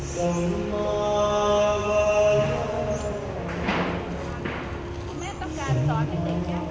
สวัสดีครับสวัสดีครับ